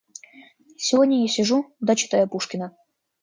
Сегодня я сижу да читаю Пушкина.